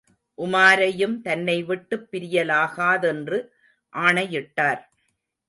உமாரையும் தன்னைவிட்டுப் பிரியலாகாதென்று ஆணையிட்டார்.